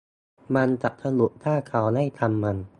มันจะสนุกถ้าเขาได้ทำมัน